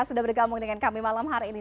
sudah bergabung dengan kami malam hari ini